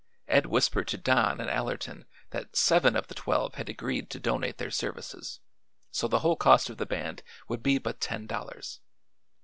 Ed whispered to Don and Allerton that seven of the twelve had agreed to donate their services, so the total cost of the band would be but ten dollars.